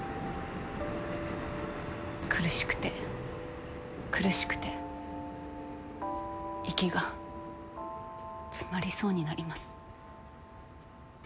苦しくて苦しくて息が詰まりそうになります。